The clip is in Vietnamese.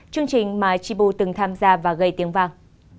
chương trình mà chibu từng tham gia và gây tiếng vang